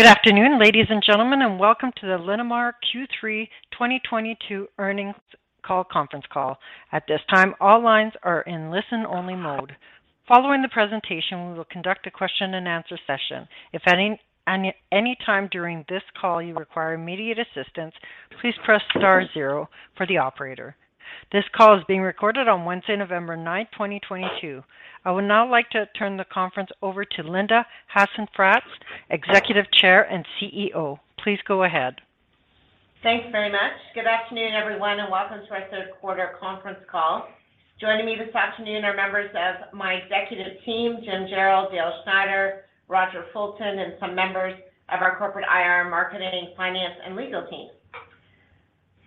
Good afternoon, ladies and gentlemen, and welcome to the Linamar Q3 2022 earnings call conference call. At this time, all lines are in listen-only mode. Following the presentation, we will conduct a question-and-answer session. If at any time during this call you require immediate assistance, please press star zero for the operator. This call is being recorded on Wednesday, November 9th, 2022. I would now like to turn the conference over to Linda Hasenfratz, Executive Chair and CEO. Please go ahead. Thanks very much. Good afternoon, everyone, and welcome to our third quarter conference call. Joining me this afternoon are members of my executive team, Jim Jarrell, Dale Schneider, Roger Fulton, and some members of our corporate IR, marketing, finance, and legal team.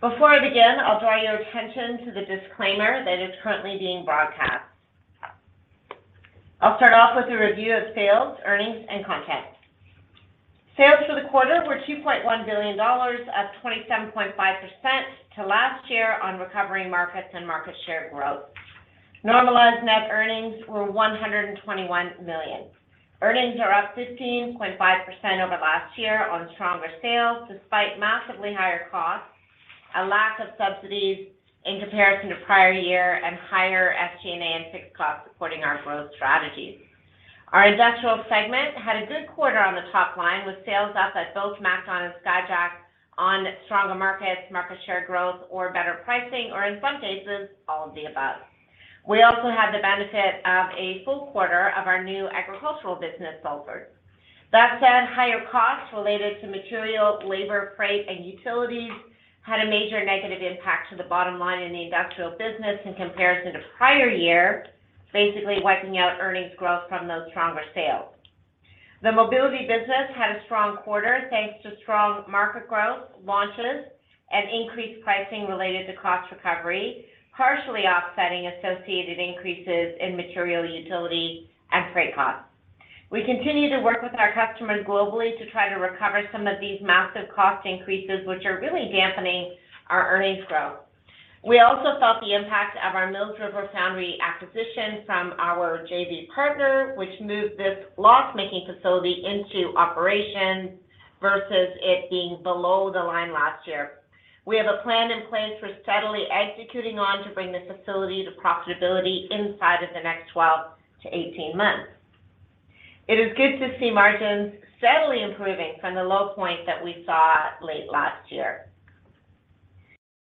Before I begin, I'll draw your attention to the disclaimer that is currently being broadcast. I'll start off with a review of sales, earnings, and content. Sales for the quarter were 2.1 billion dollars, up 27.5% to last year on recovering markets and market share growth. Normalized net earnings were 121 million. Earnings are up 15.5% over last year on stronger sales despite massively higher costs, a lack of subsidies in comparison to prior year, and higher SG&A and fixed costs supporting our growth strategies. Our industrial segment had a good quarter on the top line with sales up at both MacDon and Skyjack on stronger markets, market share growth, or better pricing, or in some cases, all of the above. We also had the benefit of a full quarter of our new agricultural business, Salford. That said, higher costs related to material, labor, freight, and utilities had a major negative impact to the bottom line in the industrial business in comparison to prior year, basically wiping out earnings growth from those stronger sales. The mobility business had a strong quarter thanks to strong market growth, launches, and increased pricing related to cost recovery, partially offsetting associated increases in material, utility, and freight costs. We continue to work with our customers globally to try to recover some of these massive cost increases, which are really dampening our earnings growth. We also felt the impact of our Mills River foundry acquisition from our JV partner, which moved this loss-making facility into operations versus it being below the line last year. We have a plan in place we're steadily executing on to bring this facility to profitability inside of the next 12-18 months. It is good to see margins steadily improving from the low point that we saw late last year.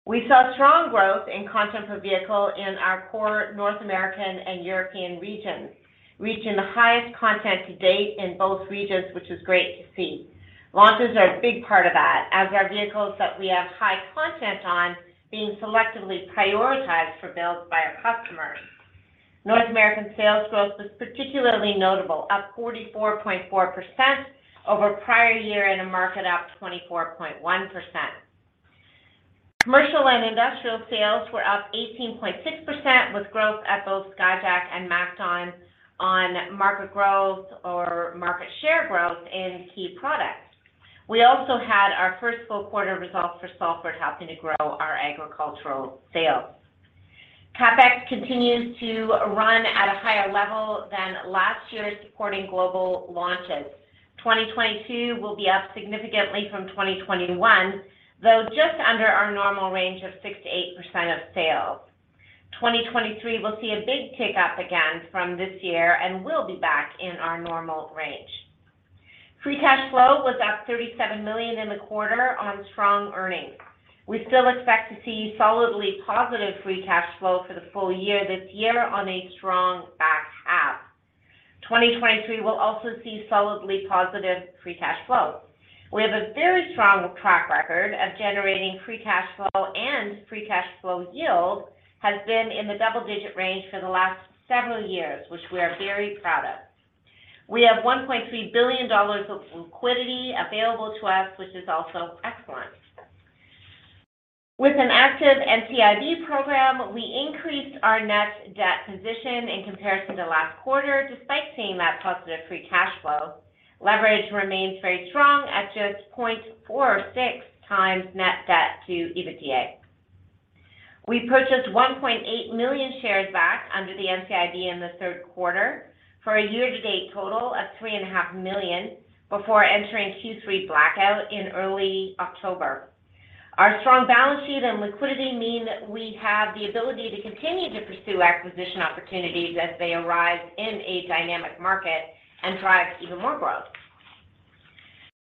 We saw strong growth in content per vehicle in our core North American and European regions, reaching the highest content to date in both regions, which is great to see. Launches are a big part of that, as our vehicles that we have high content on being selectively prioritized for builds by our customers. North American sales growth was particularly notable, up 44.4% over prior year in a market up 24.1%. Commercial and industrial sales were up 18.6%, with growth at both Skyjack and MacDon on market growth or market share growth in key products. We also had our first full quarter results for Salford helping to grow our agricultural sales. CapEx continues to run at a higher level than last year's supporting global launches. 2022 will be up significantly from 2021, though just under our normal range of 6%-8% of sales. 2023 will see a big tick-up again from this year, and we'll be back in our normal range. Free cash flow was up 37 million in the quarter on strong earnings. We still expect to see solidly positive free cash flow for the full year this year on a strong back half. 2023 will also see solidly positive free cash flow. We have a very strong track record of generating free cash flow, and free cash flow yield has been in the double-digit range for the last several years, which we are very proud of. We have 1.3 billion dollars of liquidity available to us, which is also excellent. With an active NCIB program, we increased our net debt position in comparison to last quarter, despite seeing that positive free cash flow. Leverage remains very strong at just 0.46x net debt to EBITDA. We purchased 1.8 million shares back under the NCIB in the third quarter for a year-to-date total of 3.5 million before entering Q3 blackout in early October. Our strong balance sheet and liquidity mean we have the ability to continue to pursue acquisition opportunities as they arise in a dynamic market and drive even more growth.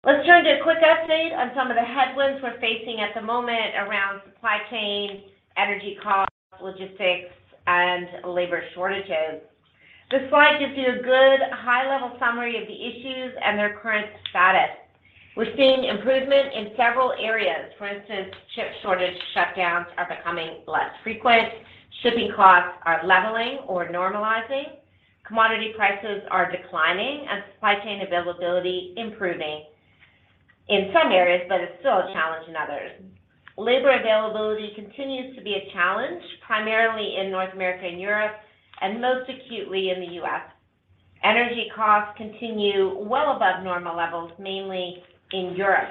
Let's turn to a quick update on some of the headwinds we're facing at the moment around supply chain, energy costs, logistics, and labor shortages. This slide gives you a good high-level summary of the issues and their current status. We're seeing improvement in several areas. For instance, chip shortage shutdowns are becoming less frequent. Shipping costs are leveling or normalizing. Commodity prices are declining and supply chain availability improving in some areas, but it's still a challenge in others. Labor availability continues to be a challenge, primarily in North America and Europe, and most acutely in the U.S. Energy costs continue well above normal levels, mainly in Europe.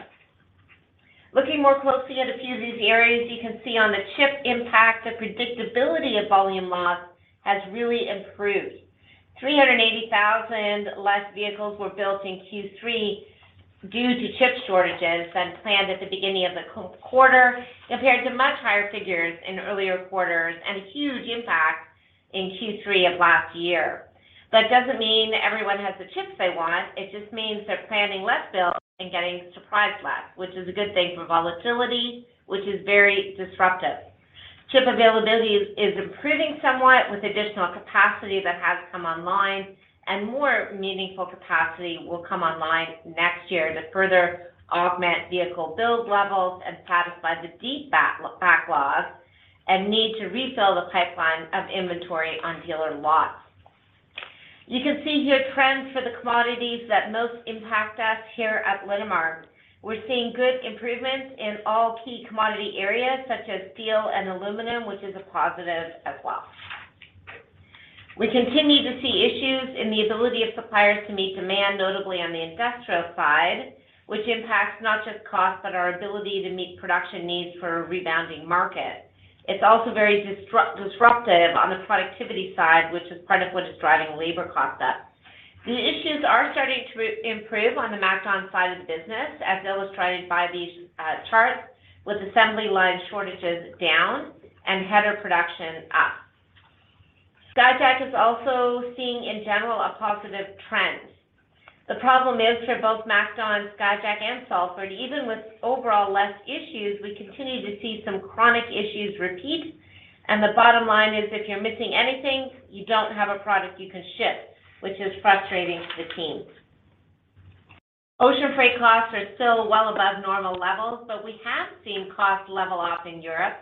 Looking more closely at a few of these areas, you can see on the chip impact, the predictability of volume loss has really improved. 380,000 less vehicles were built in Q3 due to chip shortages than planned at the beginning of the quarter, compared to much higher figures in earlier quarters and a huge impact in Q3 of last year. It doesn't mean everyone has the chips they want. It just means they're planning less build and getting surprised less, which is a good thing for volatility, which is very disruptive. Chip availability is improving somewhat with additional capacity that has come online, and more meaningful capacity will come online next year to further augment vehicle build levels and satisfy the deep backlog and need to refill the pipeline of inventory on dealer lots. You can see here trends for the commodities that most impact us here at Linamar. We're seeing good improvements in all key commodity areas such as steel and aluminum, which is a positive as well. We continue to see issues in the ability of suppliers to meet demand, notably on the industrial side, which impacts not just cost, but our ability to meet production needs for a rebounding market. It's also very disruptive on the productivity side, which is part of what is driving labor costs up. The issues are starting to improve on the MacDon side of the business, as illustrated by these charts, with assembly line shortages down and header production up. Skyjack is also seeing, in general, a positive trend. The problem is for both MacDon, Skyjack and Salford, even with overall less issues, we continue to see some chronic issues repeat. The bottom line is if you're missing anything, you don't have a product you can ship, which is frustrating for the teams. Ocean freight costs are still well above normal levels, but we have seen costs level off in Europe,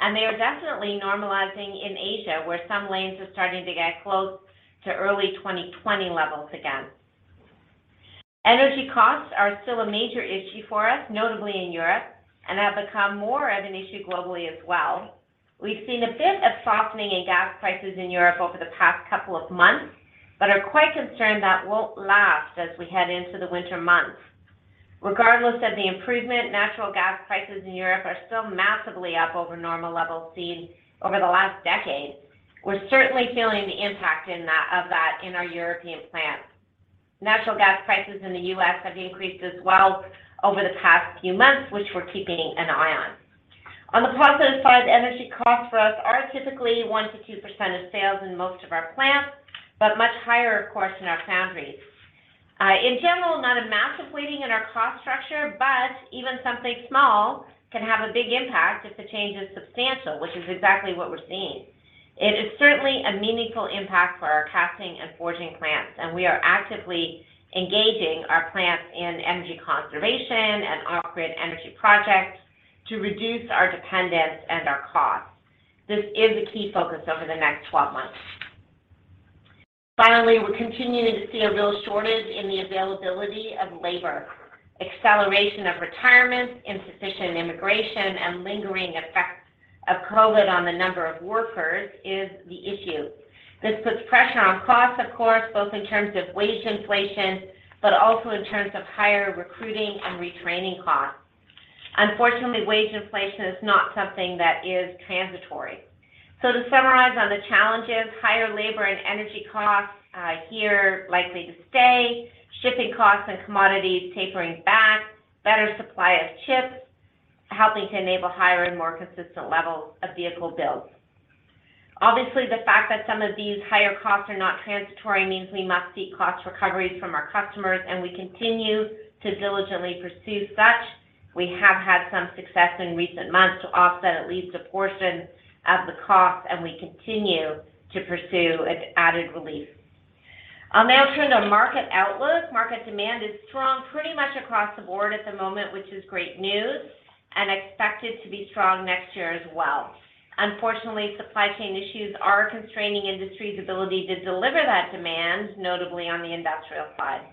and they are definitely normalizing in Asia, where some lanes are starting to get close to early 2020 levels again. Energy costs are still a major issue for us, notably in Europe, and have become more of an issue globally as well. We've seen a bit of softening in gas prices in Europe over the past couple of months, but are quite concerned that won't last as we head into the winter months. Regardless of the improvement, natural gas prices in Europe are still massively up over normal levels seen over the last decade. We're certainly feeling the impact of that in our European plants. Natural gas prices in the U.S. have increased as well over the past few months, which we're keeping an eye on. On the positive side, energy costs for us are typically 1%-2% of sales in most of our plants, but much higher, of course, in our foundries. In general, not a massive weighting in our cost structure, but even something small can have a big impact if the change is substantial, which is exactly what we're seeing. It is certainly a meaningful impact for our casting and forging plants, and we are actively engaging our plants in energy conservation and off-grid energy projects to reduce our dependence and our costs. This is a key focus over the next 12 months. Finally, we're continuing to see a real shortage in the availability of labor. Acceleration of retirements, insufficient immigration, and lingering effects of COVID on the number of workers is the issue. This puts pressure on costs, of course, both in terms of wage inflation, but also in terms of higher recruiting and retraining costs. Unfortunately, wage inflation is not something that is transitory. To summarize on the challenges, higher labor and energy costs, here likely to stay, shipping costs and commodities tapering back, better supply of chips, helping to enable higher and more consistent levels of vehicle builds. Obviously, the fact that some of these higher costs are not transitory means we must seek cost recoveries from our customers, and we continue to diligently pursue such. We have had some success in recent months to offset at least a portion of the cost, and we continue to pursue added relief. I'll now turn to market outlook. Market demand is strong pretty much across the board at the moment, which is great news and expected to be strong next year as well. Unfortunately, supply chain issues are constraining industries' ability to deliver that demand, notably on the industrial side.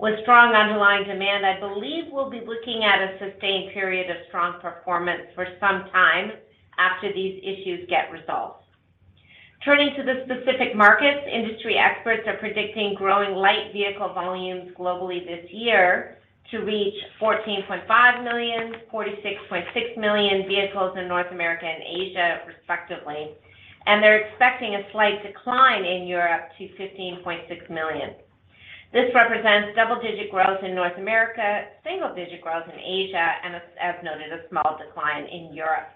With strong underlying demand, I believe we'll be looking at a sustained period of strong performance for some time after these issues get resolved. Turning to the specific markets, industry experts are predicting growing light vehicle volumes globally this year to reach 14.5 million, 46.6 million vehicles in North America and Asia, respectively. They're expecting a slight decline in Europe to 15.6 million. This represents double-digit growth in North America, single digit growth in Asia, and as noted, a small decline in Europe.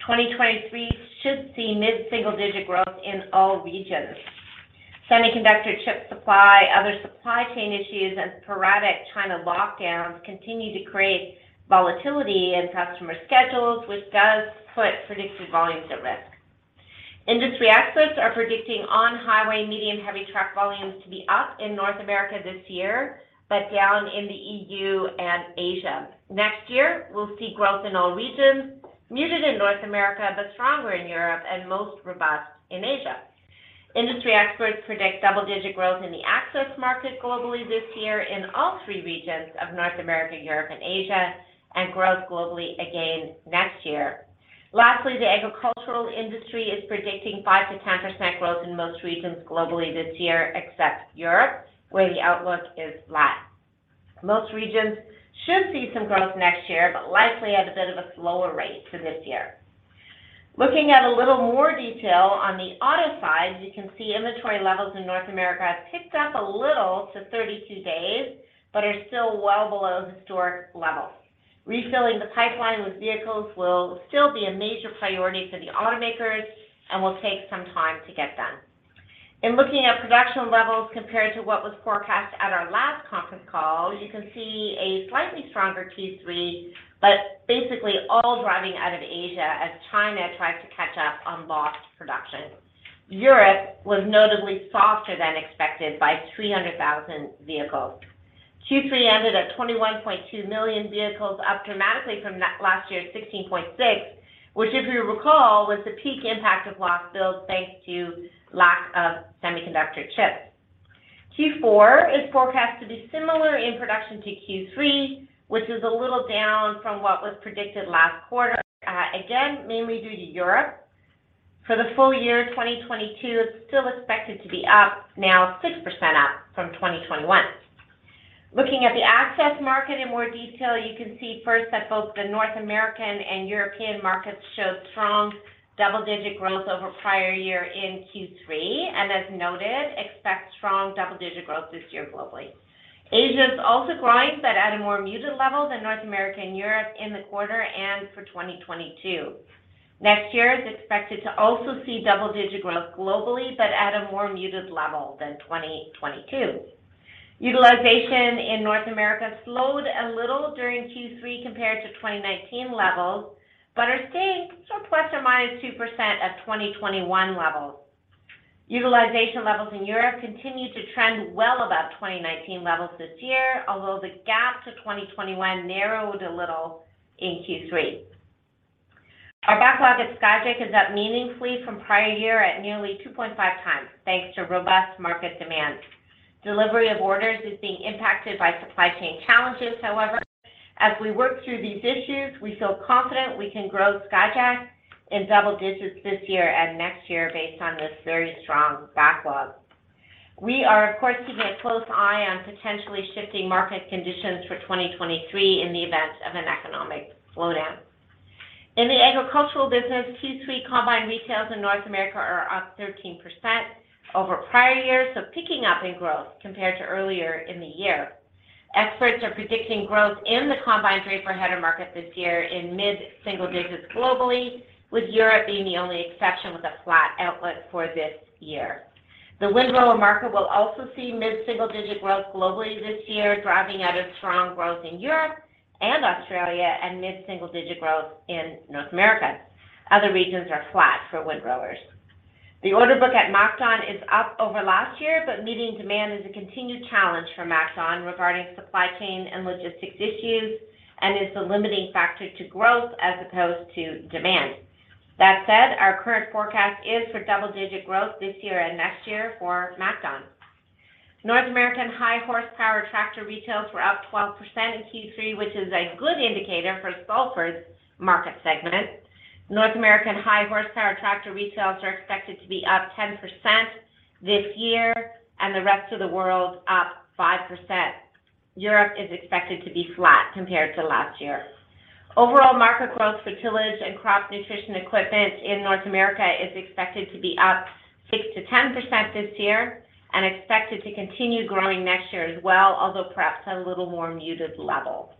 2023 should see mid-single digit growth in all regions. Semiconductor chip supply, other supply chain issues and sporadic China lockdowns continue to create volatility in customer schedules, which does put predicted volumes at risk. Industry experts are predicting on-highway medium heavy truck volumes to be up in North America this year, but down in the EU and Asia. Next year, we'll see growth in all regions, muted in North America, but stronger in Europe and most robust in Asia. Industry experts predict double-digit growth in the access market globally this year in all three regions of North America, Europe and Asia, and growth globally again next year. Lastly, the agricultural industry is predicting 5%-10% growth in most regions globally this year, except Europe, where the outlook is flat. Most regions should see some growth next year, but likely at a bit of a slower rate than this year. Looking at a little more detail on the auto side, you can see inventory levels in North America have ticked up a little to 32 days, but are still well below historic levels. Refilling the pipeline with vehicles will still be a major priority for the automakers and will take some time to get done. In looking at production levels compared to what was forecast at our last conference call, you can see a slightly stronger Q3, but basically all driving out of Asia as China tries to catch up on lost production. Europe was notably softer than expected by 300,000 vehicles. Q3 ended at 21.2 million vehicles, up dramatically from last year's 16.6, which if you recall, was the peak impact of lost builds thanks to lack of semiconductor chips. Q4 is forecast to be similar in production to Q3, which is a little down from what was predicted last quarter, again, mainly due to Europe. For the full year, 2022 is still expected to be up, now 6% up from 2021. Looking at the access market in more detail, you can see first that both the North American and European markets showed strong double-digit growth over prior year in Q3, and as noted, expect strong double-digit growth this year globally. Asia is also growing, but at a more muted level than North America and Europe in the quarter and for 2022. Next year is expected to also see double-digit growth globally, but at a more muted level than 2022. Utilization in North America slowed a little during Q3 compared to 2019 levels, but are staying sort of ±2% of 2021 levels. Utilization levels in Europe continued to trend well above 2019 levels this year, although the gap to 2021 narrowed a little in Q3. Our backlog at Skyjack is up meaningfully from prior year at nearly 2.5 times, thanks to robust market demand. Delivery of orders is being impacted by supply chain challenges, however. As we work through these issues, we feel confident we can grow Skyjack in double digits this year and next year based on this very strong backlog. We are, of course, keeping a close eye on potentially shifting market conditions for 2023 in the event of an economic slowdown. In the agricultural business, Q3 combined retail sales in North America are up 13% over prior years, so picking up in growth compared to earlier in the year. Experts are predicting growth in the combine draper header market this year in mid-single digits globally, with Europe being the only exception with a flat outlook for this year. The windrower market will also see mid-single digit growth globally this year, driven by strong growth in Europe and Australia and mid-single digit growth in North America. Other regions are flat for windrowers. The order book at MacDon is up over last year, but meeting demand is a continued challenge for MacDon regarding supply chain and logistics issues, and is the limiting factor to growth as opposed to demand. That said, our current forecast is for double-digit growth this year and next year for MacDon. North American high horsepower tractor retails were up 12% in Q3, which is a good indicator for Salford's market segment. North American high horsepower tractor resales are expected to be up 10% this year and the rest of the world up 5%. Europe is expected to be flat compared to last year. Overall market growth for tillage and crop nutrition equipment in North America is expected to be up 6%-10% this year and expected to continue growing next year as well, although perhaps at a little more muted level.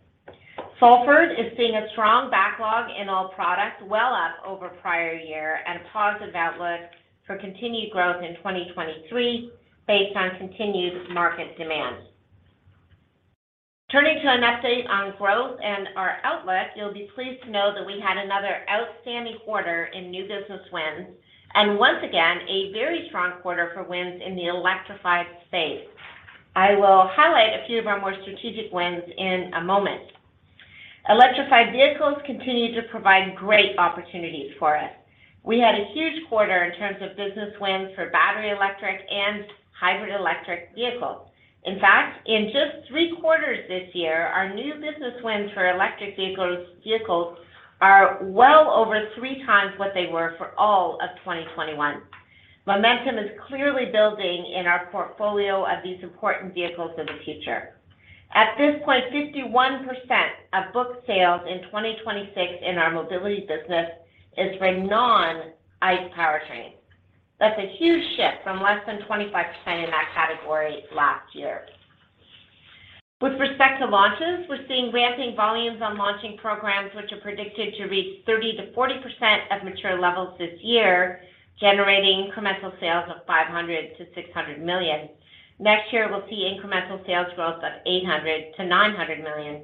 Salford is seeing a strong backlog in all products well up over prior year and a positive outlook for continued growth in 2023 based on continued market demand. Turning to an update on growth and our outlook, you'll be pleased to know that we had another outstanding quarter in new business wins, and once again, a very strong quarter for wins in the electrified space. I will highlight a few of our more strategic wins in a moment. Electrified vehicles continue to provide great opportunities for us. We had a huge quarter in terms of business wins for battery electric and hybrid electric vehicles. In fact, in just three quarters this year, our new business wins for electric vehicles are well over three times what they were for all of 2021. Momentum is clearly building in our portfolio of these important vehicles of the future. At this point, 51% of book sales in 2026 in our mobility business is for non-ICE powertrains. That's a huge shift from less than 25% in that category last year. With respect to launches, we're seeing ramping volumes on launching programs which are predicted to reach 30%-40% of mature levels this year, generating incremental sales of 500 million-600 million. Next year, we'll see incremental sales growth of 800 million-900 million.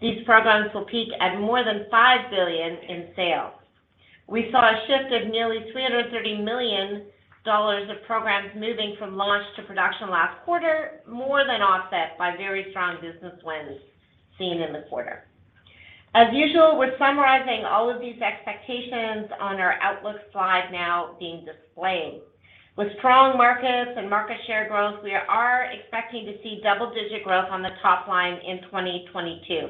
These programs will peak at more than 5 billion in sales. We saw a shift of nearly 330 million dollars of programs moving from launch to production last quarter, more than offset by very strong business wins seen in the quarter. As usual, we're summarizing all of these expectations on our outlook slide now being displayed. With strong markets and market share growth, we are expecting to see double-digit growth on the top line in 2022.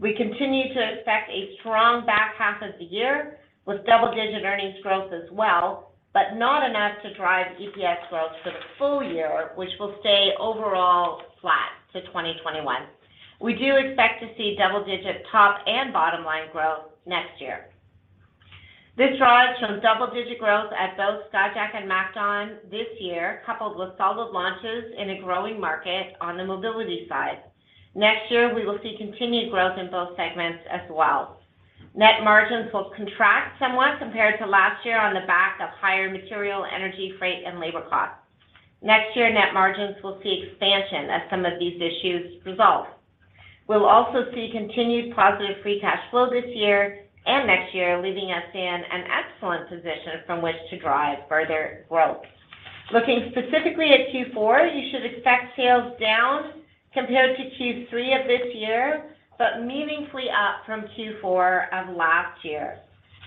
We continue to expect a strong back half of the year with double-digit earnings growth as well, but not enough to drive EPS growth for the full year, which will stay overall flat to 2021. We do expect to see double-digit top and bottom line growth next year. This slide shows double-digit growth at both Skyjack and MacDon this year, coupled with solid launches in a growing market on the mobility side. Next year, we will see continued growth in both segments as well. Net margins will contract somewhat compared to last year on the back of higher material, energy, freight, and labor costs. Next year, net margins will see expansion as some of these issues resolve. We'll also see continued positive free cash flow this year and next year, leaving us in an excellent position from which to drive further growth. Looking specifically at Q4, you should expect sales down compared to Q3 of this year, but meaningfully up from Q4 of last year.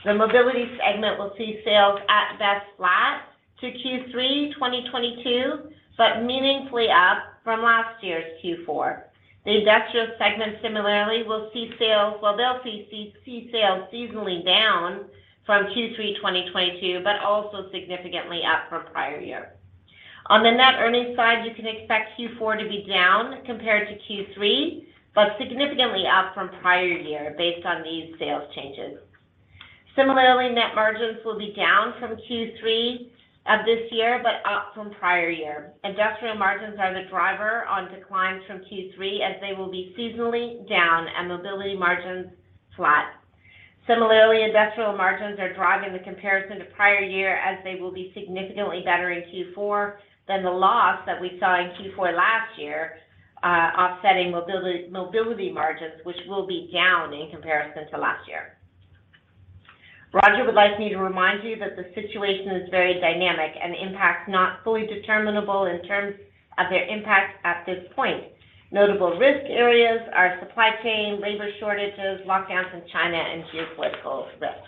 The mobility segment will see sales at best flat to Q3 2022, but meaningfully up from last year's Q4. The industrial segment similarly will see sales seasonally down from Q3 2022, but also significantly up from prior year. On the net earnings side, you can expect Q4 to be down compared to Q3, but significantly up from prior year based on these sales changes. Similarly, net margins will be down from Q3 of this year, but up from prior year. Industrial margins are the driver on declines from Q3, as they will be seasonally down and mobility margins flat. Similarly, industrial margins are driving the comparison to prior year as they will be significantly better in Q4 than the loss that we saw in Q4 last year, offsetting mobility margins, which will be down in comparison to last year. Roger would like me to remind you that the situation is very dynamic and impacts not fully determinable in terms of their impact at this point. Notable risk areas are supply chain, labor shortages, lockdowns in China, and geopolitical risk.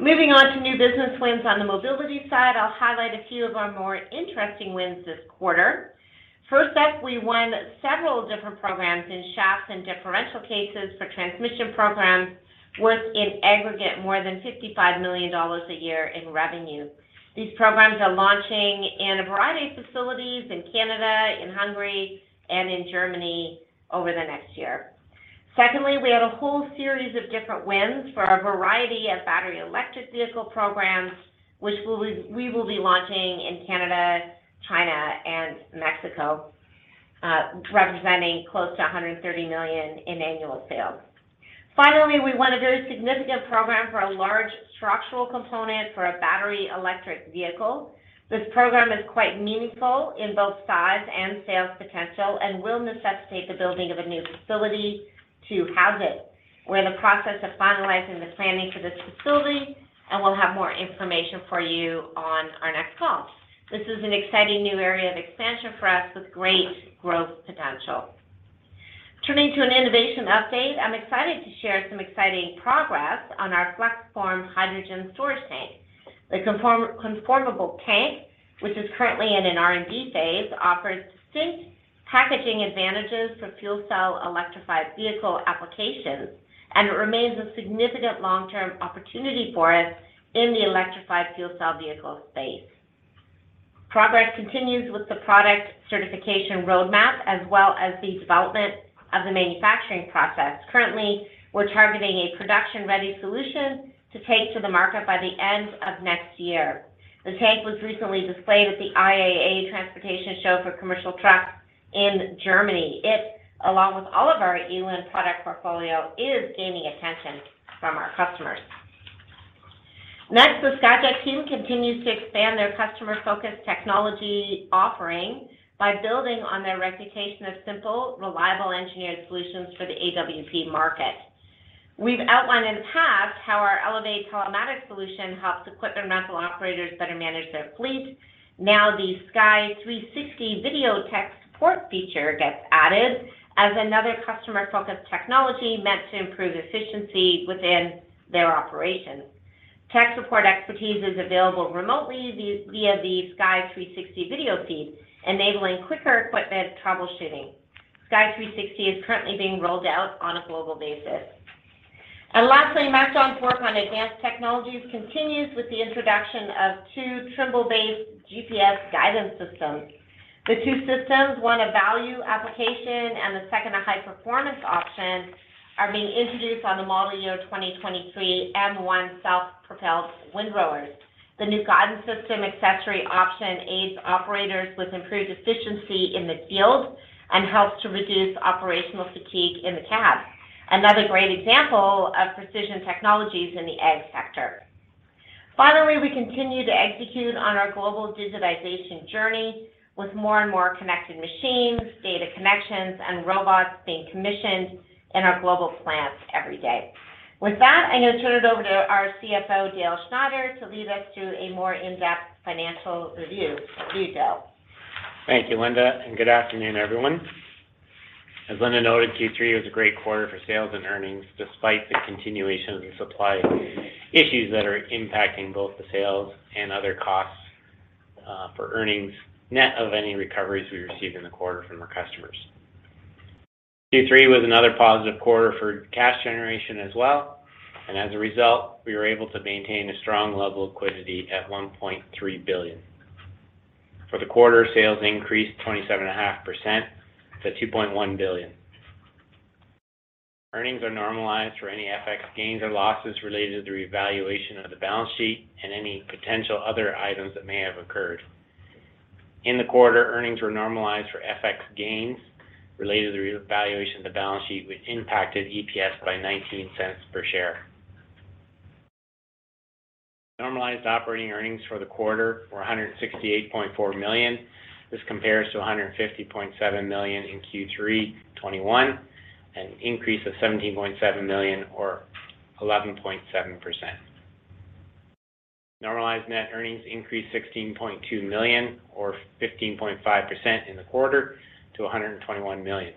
Moving on to new business wins on the mobility side, I'll highlight a few of our more interesting wins this quarter. First up, we won several different programs in shafts and differential cases for transmission programs worth in aggregate more than 55 million dollars a year in revenue. These programs are launching in a variety of facilities in Canada, in Hungary, and in Germany over the next year. Secondly, we have a whole series of different wins for a variety of battery electric vehicle programs, which we will be launching in Canada, China, and Mexico, representing close to 130 million in annual sales. Finally, we won a very significant program for a large structural component for a battery electric vehicle. This program is quite meaningful in both size and sales potential and will necessitate the building of a new facility to house it. We're in the process of finalizing the planning for this facility, and we'll have more information for you on our next call. This is an exciting new area of expansion for us with great growth potential. Turning to an innovation update, I'm excited to share some exciting progress on our FlexForm hydrogen storage tank. The conformable tank, which is currently in an R&D phase, offers distinct packaging advantages for fuel cell electrified vehicle applications, and it remains a significant long-term opportunity for us in the electrified fuel cell vehicle space. Progress continues with the product certification roadmap as well as the development of the manufacturing process. Currently, we're targeting a production-ready solution to take to the market by the end of next year. The tank was recently displayed at the IAA Transportation show for commercial trucks in Germany. It, along with all of our eLIN product portfolio, is gaining attention from our customers. Next, the Skyjack team continues to expand their customer-focused technology offering by building on their reputation of simple, reliable engineered solutions for the AWP market. We've outlined in the past how our ELEVATE telematics solution helps equipment rental operators better manage their fleet. Now, the Sky360 video tech support feature gets added as another customer-focused technology meant to improve efficiency within their operations. Tech support expertise is available remotely via the Sky360 video feed, enabling quicker equipment troubleshooting. Sky360 is currently being rolled out on a global basis. Lastly, MacDon's work on advanced technologies continues with the introduction of two Trimble-based GPS guidance systems. The two systems, one a value application and the second a high-performance option, are being introduced on the model year 2023 M1 self-propelled windrowers. The new guidance system accessory option aids operators with improved efficiency in the field and helps to reduce operational fatigue in the cab. Another great example of precision technologies in the ag sector. Finally, we continue to execute on our global digitization journey with more and more connected machines, data connections, and robots being commissioned in our global plants every day. With that, I'm going to turn it over to our CFO, Dale Schneider, to lead us through a more in-depth financial review. Here you go. Thank you, Linda, and good afternoon, everyone. As Linda noted, Q3 was a great quarter for sales and earnings despite the continuation of the supply issues that are impacting both the sales and other costs, for earnings, net of any recoveries we received in the quarter from our customers. Q3 was another positive quarter for cash generation as well, and as a result, we were able to maintain a strong level of liquidity at 1.3 billion. For the quarter, sales increased 27.5% to 2.1 billion. Earnings are normalized for any FX gains or losses related to the revaluation of the balance sheet and any potential other items that may have occurred. In the quarter, earnings were normalized for FX gains related to the valuation of the balance sheet, which impacted EPS by 0.19 per share. Normalized operating earnings for the quarter were 168.4 million. This compares to 150.7 million in Q3 2021, an increase of 17.7 million or 11.7%. Normalized net earnings increased 16.2 million or 15.5% in the quarter to 121 million.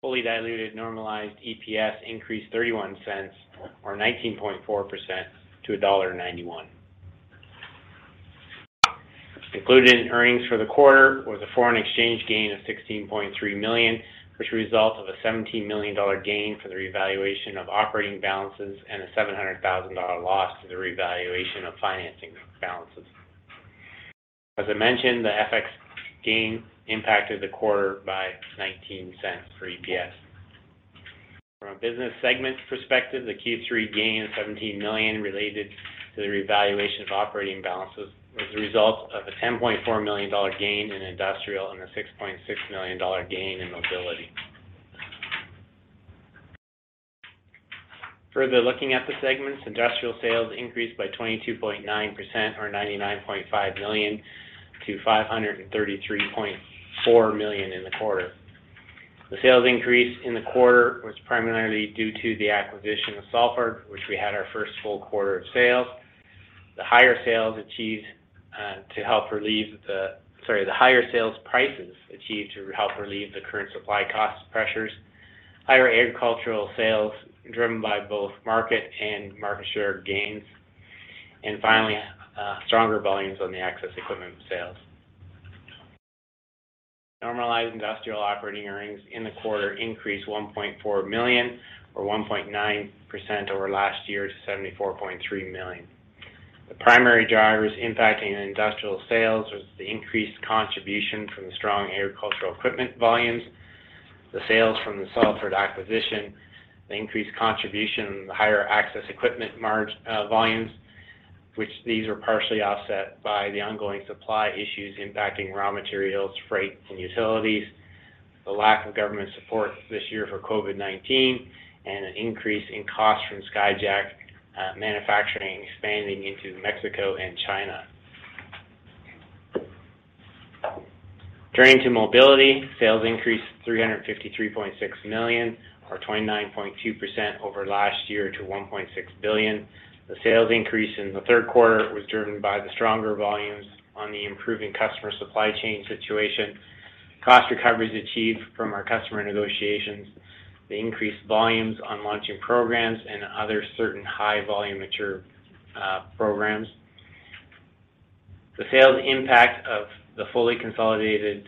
Fully diluted normalized EPS increased 0.31 or 19.4% to dollar 1.91. Included in earnings for the quarter was a foreign exchange gain of 16.3 million, which consists of a 17 million dollar gain for the revaluation of operating balances and a 700,000 dollar loss to the revaluation of financing balances. As I mentioned, the FX gain impacted the quarter by 0.19 for EPS. From a business segment perspective, the Q3 gain of 17 million related to the revaluation of operating balances was a result of a 10.4 million dollar gain in industrial and a 6.6 million dollar gain in mobility. Further looking at the segments, industrial sales increased by 22.9% or 99.5 million to 533.4 million in the quarter. The sales increase in the quarter was primarily due to the acquisition of Salford, which we had our first full quarter of sales. The higher sales prices achieved to help relieve the current supply cost pressures, higher agricultural sales driven by both market and market share gains, and finally, stronger volumes on the access equipment sales. Normalized industrial operating earnings in the quarter increased 1.4 million or 1.9% over last year to 74.3 million. The primary drivers impacting industrial sales was the increased contribution from the strong agricultural equipment volumes, the sales from the Salford acquisition, the increased contribution, the higher access equipment margins, volumes, which were partially offset by the ongoing supply issues impacting raw materials, freight and utilities, the lack of government support this year for COVID-19, and an increase in costs from Skyjack manufacturing expanding into Mexico and China. Turning to mobility, sales increased 353.6 million or 29.2% over last year to 1.6 billion. The sales increase in the third quarter was driven by the stronger volumes on the improving customer supply chain situation, cost recoveries achieved from our customer negotiations, the increased volumes on launching programs and other certain high volume mature programs. The sales impact of the fully consolidated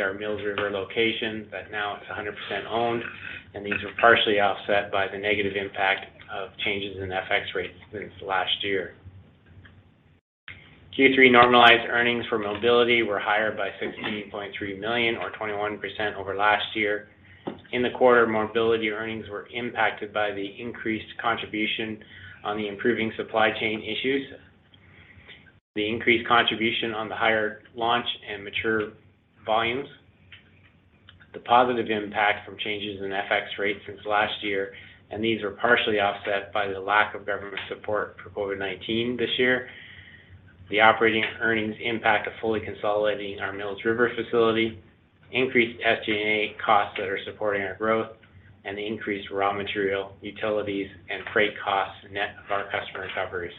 our Mills River location that now is 100% owned, and these were partially offset by the negative impact of changes in FX rates since last year. Q3 normalized earnings for mobility were higher by 16.3 million or 21% over last year. In the quarter, mobility earnings were impacted by the increased contribution on the improving supply chain issues, the increased contribution on the higher launch and mature volumes, the positive impact from changes in FX rates since last year, and these were partially offset by the lack of government support for COVID-19 this year. The operating earnings impact of fully consolidating our Mills River facility, increased SG&A costs that are supporting our growth and the increased raw material, utilities, and freight costs net of our customer recoveries.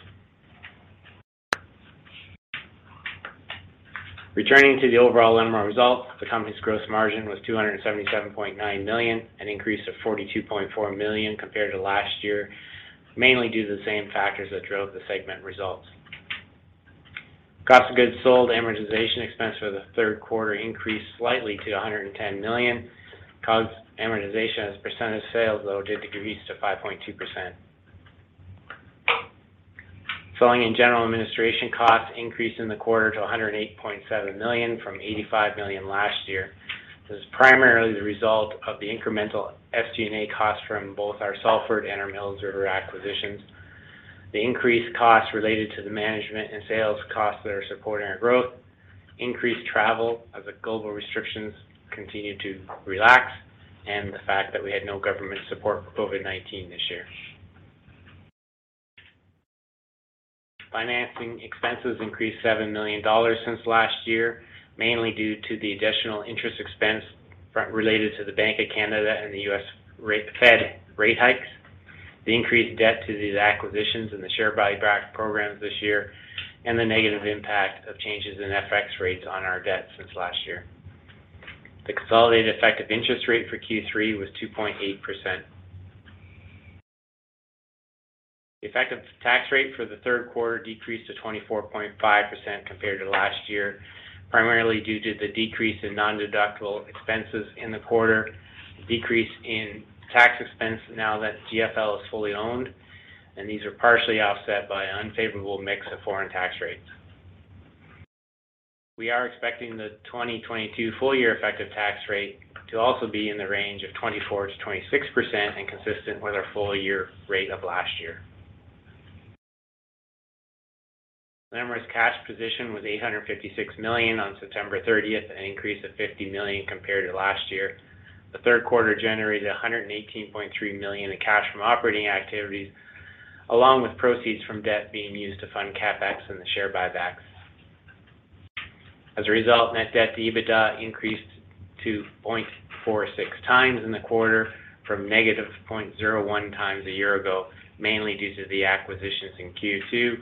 Returning to the overall Linamar results, the company's gross margin was 277.9 million, an increase of 42.4 million compared to last year, mainly due to the same factors that drove the segment results. Cost of goods sold, amortization expense for the third quarter increased slightly to 110 million. COGS amortization as a percent of sales, though, did decrease to 5.2%. Selling and general administration costs increased in the quarter to 108.7 million from 85 million last year. This is primarily the result of the incremental SG&A costs from both our Salford and our Mills River acquisitions. The increased costs related to the management and sales costs that are supporting our growth, increased travel as the global restrictions continue to relax, and the fact that we had no government support for COVID-19 this year. Financing expenses increased 7 million dollars since last year, mainly due to the additional interest expense related to the Bank of Canada and the U.S. Fed rate hikes. The increased debt due to these acquisitions and the share buyback programs this year, and the negative impact of changes in FX rates on our debt since last year. The consolidated effective interest rate for Q3 was 2.8%. Effective tax rate for the third quarter decreased to 24.5% compared to last year, primarily due to the decrease in nondeductible expenses in the quarter, the decrease in tax expense now that GF Linamar is fully owned, and these are partially offset by unfavorable mix of foreign tax rates. We are expecting the 2022 full year effective tax rate to also be in the range of 24%-26% and consistent with our full year rate of last year. Linamar's cash position was 856 million on September 30th, an increase of 50 million compared to last year. The third quarter generated 118.3 million in cash from operating activities, along with proceeds from debt being used to fund CapEx and the share buybacks. As a result, net debt to EBITDA increased to 0.46x in the quarter from -0.01x a year ago, mainly due to the acquisitions in Q2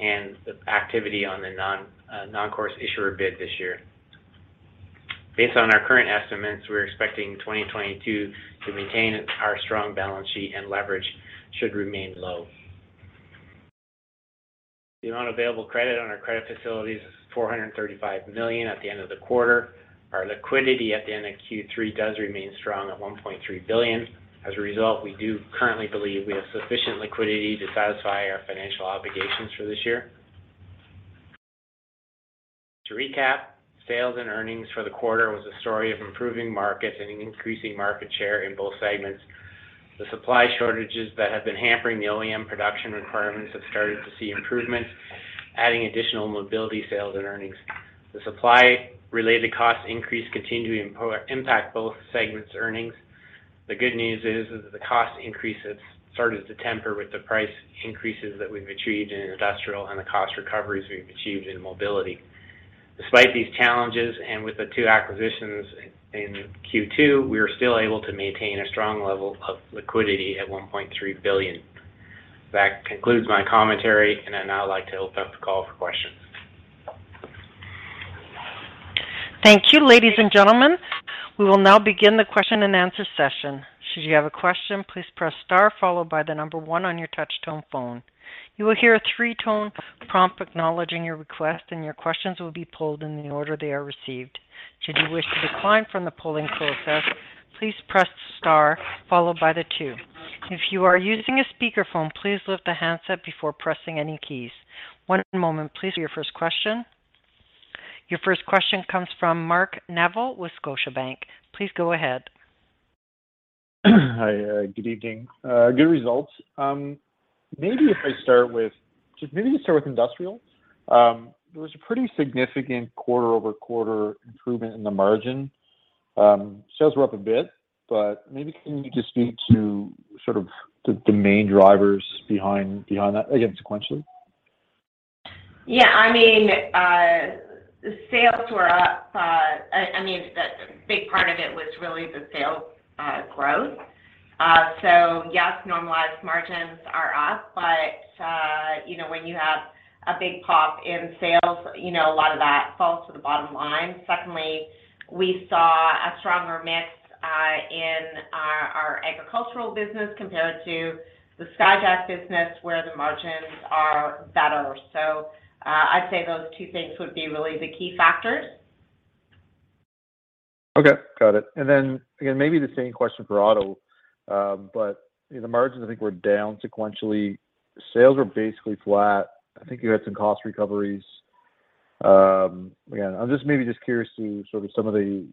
and the activity on the normal course issuer bid this year. Based on our current estimates, we're expecting 2022 to maintain our strong balance sheet and leverage should remain low. The amount of available credit on our credit facilities is 435 million at the end of the quarter. Our liquidity at the end of Q3 does remain strong at 1.3 billion. As a result, we do currently believe we have sufficient liquidity to satisfy our financial obligations for this year. To recap, sales and earnings for the quarter was a story of improving markets and increasing market share in both segments. The supply shortages that have been hampering the OEM production requirements have started to see improvements, adding additional mobility sales and earnings. The supply-related cost increases continue to impact both segments' earnings. The good news is that the cost increases started to temper with the price increases that we've achieved in industrial and the cost recoveries we've achieved in mobility. Despite these challenges, with the two acquisitions in Q2, we are still able to maintain a strong level of liquidity at 1.3 billion. That concludes my commentary, and I'd now like to open up the call for questions. Thank you. Ladies and gentlemen, we will now begin the question-and-answer session. Should you have a question, please press star followed by the number one on your touch-tone phone. You will hear a three-tone prompt acknowledging your request, and your questions will be pulled in the order they are received. Should you wish to decline from the polling process, please press star followed by the two. If you are using a speakerphone, please lift the handset before pressing any keys. One moment please for your first question. Your first question comes from Mark Neville with Scotiabank. Please go ahead. Hi, good evening. Good results. Just maybe start with industrial. There was a pretty significant quarter-over-quarter improvement in the margin. Sales were up a bit, but maybe can you just speak to sort of the main drivers behind that, again, sequentially? Yeah. I mean, sales were up. I mean, the big part of it was really the sales growth. Yes, normalized margins are up, but you know, when you have a big pop in sales, you know, a lot of that falls to the bottom line. Secondly, we saw a stronger mix in our agricultural business compared to the Skyjack business where the margins are better. I'd say those two things would be really the key factors. Okay. Got it. Then again, maybe the same question for auto, but the margins I think were down sequentially. Sales were basically flat. I think you had some cost recoveries. Again, I'm just maybe just curious to sort of some of the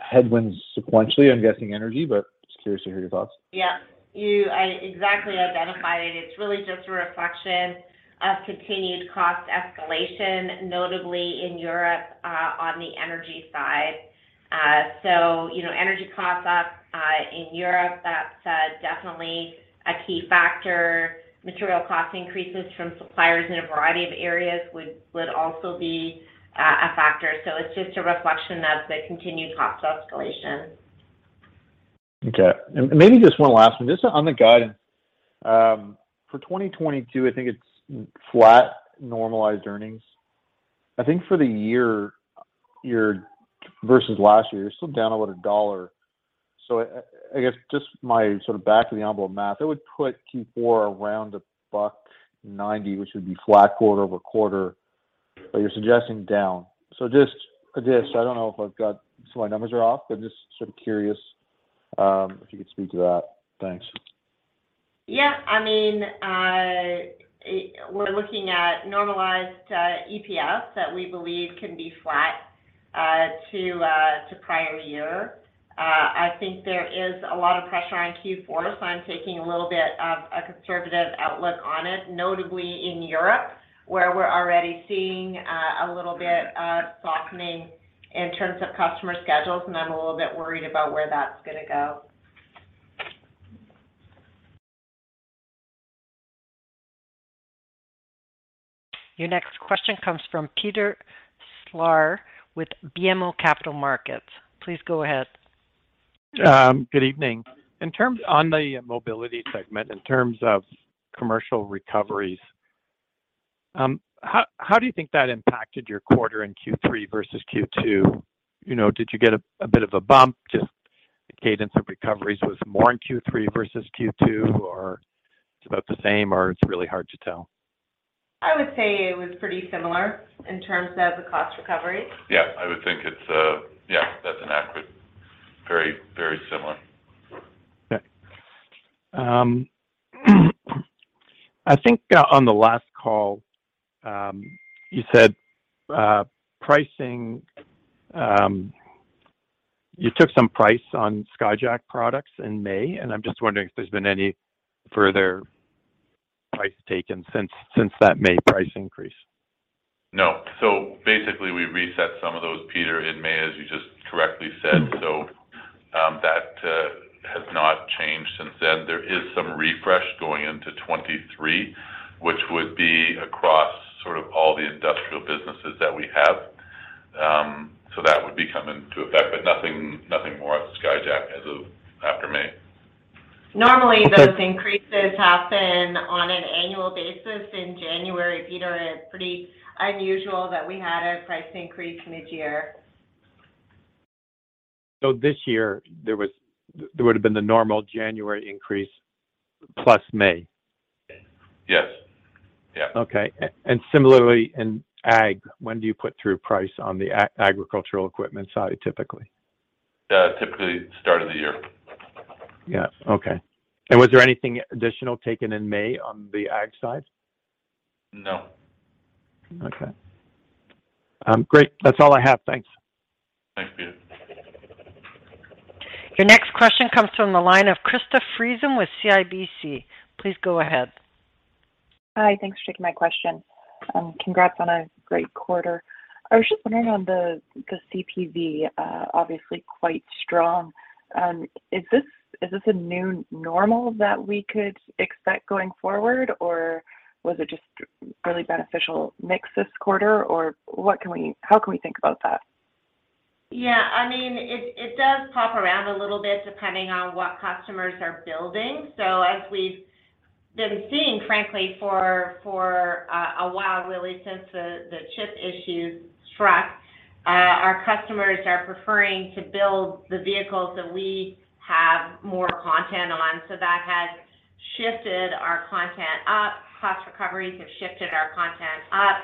headwinds sequentially. I'm guessing energy, but just curious to hear your thoughts. Yeah. You exactly identified it. It's really just a reflection of continued cost escalation, notably in Europe, on the energy side. You know, energy costs up in Europe, that's definitely a key factor. Material cost increases from suppliers in a variety of areas would also be a factor. It's just a reflection of the continued cost escalation. Okay. Maybe just one last one. Just on the guidance. For 2022, I think it's flat normalized earnings. I think for the year year-over-year versus last year, you're still down about CAD 1. I guess just my sort of back of the envelope math, it would put Q4 around 1.90, which would be flat quarter-over-quarter. But you're suggesting down. Just I don't know if I've got my numbers off, but just sort of curious if you could speak to that. Thanks. Yeah. I mean, we're looking at normalized EPS that we believe can be flat to prior year. I think there is a lot of pressure on Q4, so I'm taking a little bit of a conservative outlook on it, notably in Europe, where we're already seeing a little bit softening in terms of customer schedules, and I'm a little bit worried about where that's gonna go. Your next question comes from Peter Sklar with BMO Capital Markets. Please go ahead. Good evening. On the mobility segment, in terms of commercial recoveries, how do you think that impacted your quarter in Q3 versus Q2? Did you get a bit of a bump, just the cadence of recoveries was more in Q3 versus Q2, or it's about the same, or it's really hard to tell? I would say it was pretty similar in terms of the cost recovery. Yeah. I would think it's. Yeah, very, very similar. Okay. I think on the last call, you said pricing. You took some price on Skyjack products in May, and I'm just wondering if there's been any further price taken since that May price increase. No. Basically, we reset some of those, Peter, in May, as you just correctly said. Mm-hmm. That has not changed since then. There is some refresh going into 2023, which would be across sort of all the industrial businesses that we have. That would be coming into effect, but nothing more on Skyjack as of after May. Okay. Normally, those increases happen on an annual basis in January, Peter. It's pretty unusual that we had a price increase mid-year. This year, there would've been the normal January increase plus May? Yes. Yes. Okay. Similarly in ag, when do you put through price on the agricultural equipment side typically? Typically start of the year. Yeah. Okay. Was there anything additional taken in May on the ag side? No. Okay. Great. That's all I have. Thanks. Thanks, Peter. Your next question comes from the line of Krista Friesen with CIBC. Please go ahead. Hi. Thanks for taking my question, and congrats on a great quarter. I was just wondering on the CPV, obviously quite strong. Is this a new normal that we could expect going forward, or was it just really beneficial mix this quarter, or how can we think about that? Yeah. I mean, it does pop around a little bit depending on what customers are building. As we've been seeing frankly for a while really since the chip issues struck, our customers are preferring to build the vehicles that we have more content on. That has shifted our content up. Cost recoveries have shifted our content up.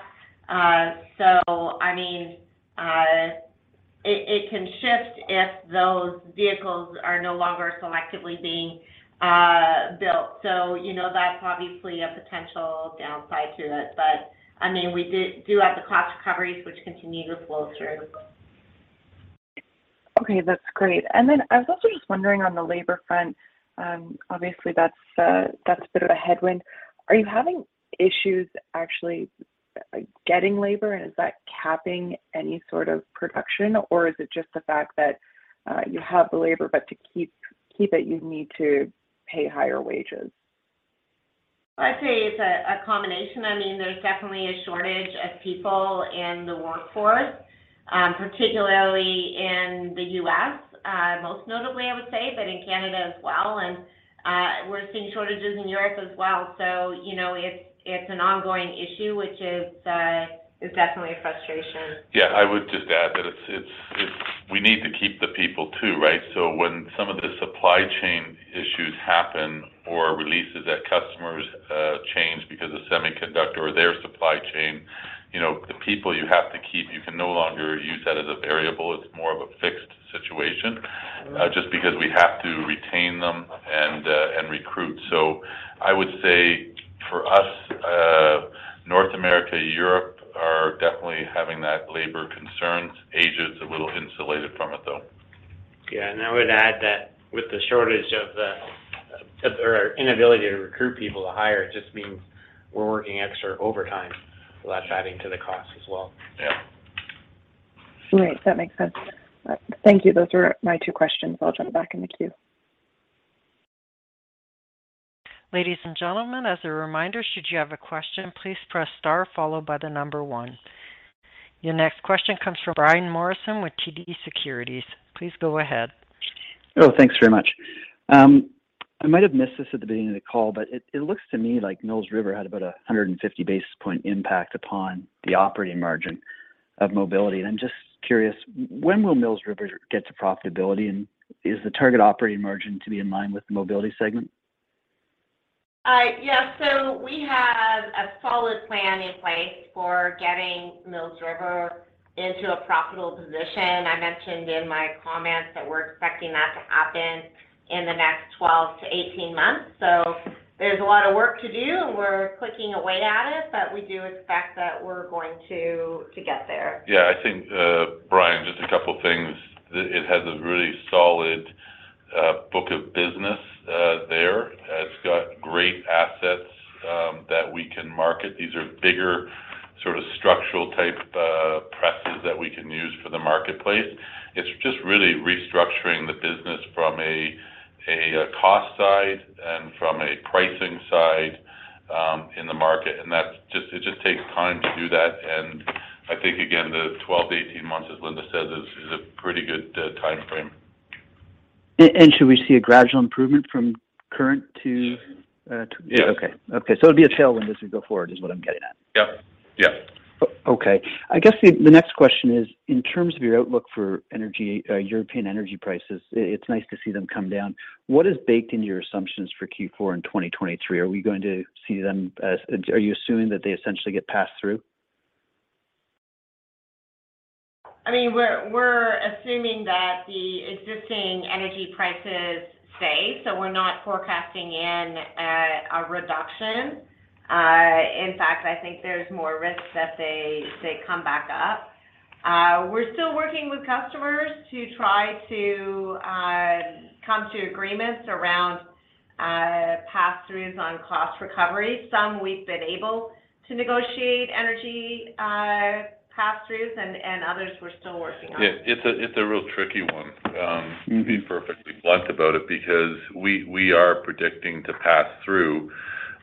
I mean, it can shift if those vehicles are no longer selectively being built. You know, that's obviously a potential downside to it. I mean, we do have the cost recoveries which continue to flow through. Okay, that's great. Then I was also just wondering on the labor front, obviously that's a bit of a headwind. Are you having issues actually getting labor, and is that capping any sort of production? Or is it just the fact that you have the labor, but to keep it you need to pay higher wages? I'd say it's a combination. I mean, there's definitely a shortage of people in the workforce, particularly in the U.S., most notably I would say, but in Canada as well. We're seeing shortages in Europe as well. You know, it's an ongoing issue, which is definitely a frustration. Yeah. I would just add that it's. We need to keep the people too, right? When some of the supply chain issues happen or releases at customers change because of semiconductor or their supply chain, you know, the people you have to keep, you can no longer use that as a variable. It's more of a fixed situation, just because we have to retain them and recruit. I would say for us, North America, Europe are definitely having that labor concern. Asia's a little insulated from it though. Yeah. I would add that with the shortage of, or inability to recruit people to hire, it just means we're working extra overtime, so that's adding to the cost as well. Yeah. Great. That makes sense. Thank you. Those were my two questions. I'll jump back in the queue. Ladies and gentlemen, as a reminder, should you have a question, please press star followed by the number one. Your next question comes from Brian Morrison with TD Securities. Please go ahead. Oh, thanks very much. I might have missed this at the beginning of the call, but it looks to me like Mills River had about 150 basis point impact upon the operating margin of mobility. I'm just curious, when will Mills River get to profitability, and is the target operating margin to be in line with the mobility segment? We have a solid plan in place for getting Mills River into a profitable position. I mentioned in my comments that we're expecting that to happen in the next 12-18 months. There's a lot of work to do, and we're clicking away at it, but we do expect that we're going to get there. I think, Brian, just a couple things. It has a really solid book of business there. It's got great assets that we can market. These are bigger sort of structural type for the marketplace. It's just really restructuring the business from a cost side and from a pricing side in the market. That's just it. It just takes time to do that, and I think again, the 12-18 months, as Linda says, is a pretty good timeframe. Should we see a gradual improvement from current to? Yes. Okay, it'll be a tailwind as we go forward is what I'm getting at. Yep. Yeah. Okay. I guess the next question is, in terms of your outlook for energy, European energy prices, it's nice to see them come down. What is baked into your assumptions for Q4 in 2023? Are we going to see them? Are you assuming that they essentially get passed through? I mean, we're assuming that the existing energy prices stay, so we're not forecasting a reduction. In fact, I think there's more risk that they come back up. We're still working with customers to try to come to agreements around pass-throughs on cost recovery. Some we've been able to negotiate energy pass-throughs and others we're still working on. Yeah. It's a real tricky one. Mm-hmm To be perfectly blunt about it because we are predicting to pass through,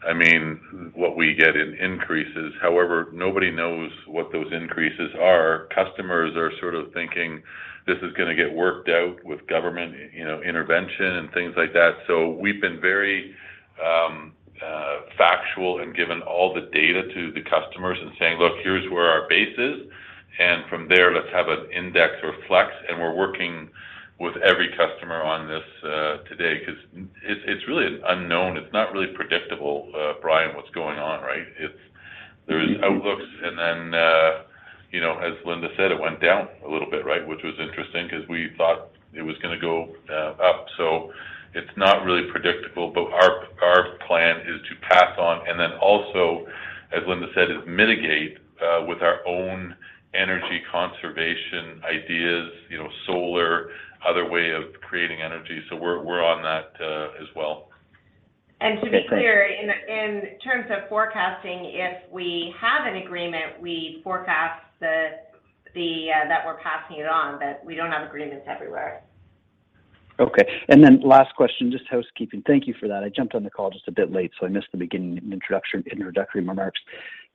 I mean, what we get in increases. However, nobody knows what those increases are. Customers are sort of thinking this is gonna get worked out with government, you know, intervention and things like that. So we've been very factual and given all the data to the customers and saying, "Look, here's where our base is, and from there, let's have an index or flex." We're working with every customer on this today because it's really an unknown. It's not really predictable, Brian, what's going on, right? There is outlooks and then, you know, as Linda said, it went down a little bit, right? Which was interesting because we thought it was gonna go up. It's not really predictable, but our plan is to pass on, and then also, as Linda said, is mitigate with our own energy conservation ideas, you know, solar, other way of creating energy. We're on that as well. To be clear. Okay In terms of forecasting, if we have an agreement, we forecast that we're passing it on, but we don't have agreements everywhere. Okay. Last question, just housekeeping. Thank you for that. I jumped on the call just a bit late, so I missed the beginning introduction, introductory remarks.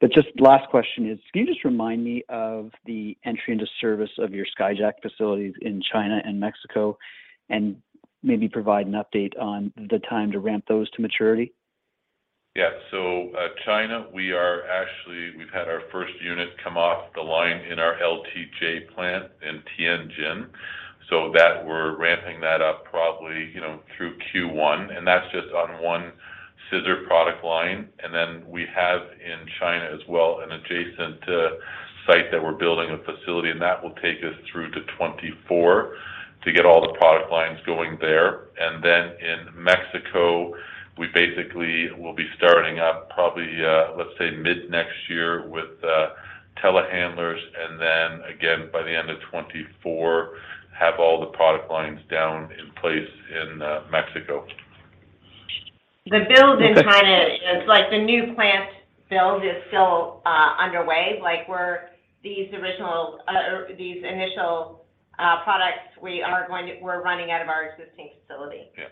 Just last question is, can you just remind me of the entry into service of your Skyjack facilities in China and Mexico, and maybe provide an update on the time to ramp those to maturity? In China, we've had our first unit come off the line in our LTJ plant in Tianjin. That we're ramping that up probably, you know, through Q1, and that's just on one scissor product line. We have in China as well an adjacent site that we're building a facility, and that will take us through to 2024 to get all the product lines going there. In Mexico, we basically will be starting up probably, let's say mid-next year with telehandlers, and then again by the end of 2024, have all the product lines down in place in Mexico. Okay. The build in China, it's like the new plant build is still underway. Like these original or these initial products we're running out of our existing facility. Yeah.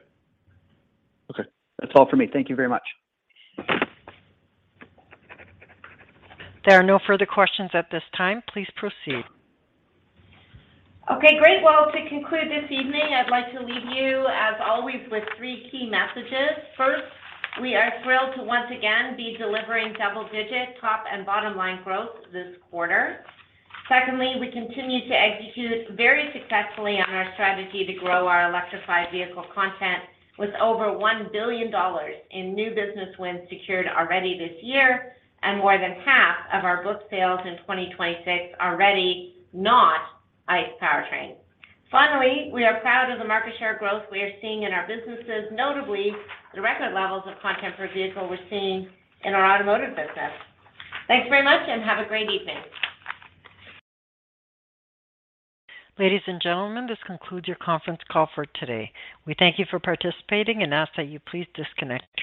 Okay. That's all for me. Thank you very much. There are no further questions at this time. Please proceed. Okay, great. Well, to conclude this evening, I'd like to leave you, as always, with three key messages. First, we are thrilled to once again be delivering double-digit top and bottom line growth this quarter. Secondly, we continue to execute very successfully on our strategy to grow our electrified vehicle content with over 1 billion dollars in new business wins secured already this year and more than half of our book sales in 2026 already not ICE powertrains. Finally, we are proud of the market share growth we are seeing in our businesses, notably the record levels of content per vehicle we're seeing in our automotive business. Thanks very much, and have a great evening. Ladies and gentlemen, this concludes your conference call for today. We thank you for participating and ask that you please disconnect your lines.